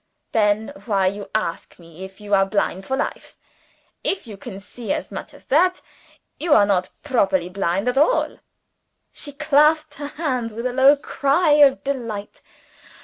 "Then why you ask me if you are blind for life? If you can see as much as that, you are not properly blind at all?" She clasped her hands, with a low cry of delight.